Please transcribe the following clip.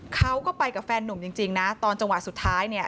เขาก็ไปกับแฟนนุ่มจริงนะตอนจังหวะสุดท้ายเนี่ย